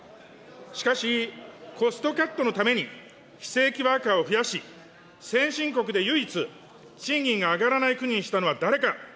しかし、コストカットのために非正規ワーカーを増やし、先進国で唯一、賃金が上がらない国にしたのは誰か。